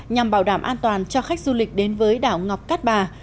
nhằm bảo đảm an toàn cho khách du lịch đến với đảo ngọc cát bà